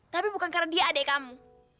tapi bukan karena dia adik kamu